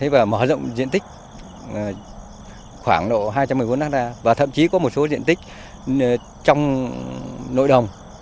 và mở rộng diện tích khoảng độ hai trăm một mươi bốn ha và thậm chí có một số diện tích trong nội đồng